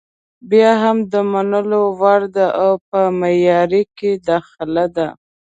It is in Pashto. بیا هم د منلو وړ ده او په معیار کې داخله ده.